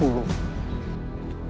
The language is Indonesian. ayah harus berjanji terlebih dahulu